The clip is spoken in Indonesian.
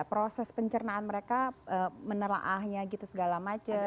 proses pencernaan mereka menelaahnya gitu segala macam